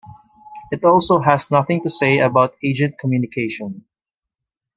It also has nothing to say about agent communication.